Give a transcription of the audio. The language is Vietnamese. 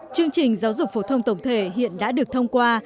chương trình giáo dục phổ thông tổng thể hiện đã được thông qua